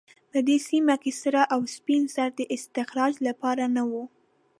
په دې سیمه کې سره او سپین زر د استخراج لپاره نه وو.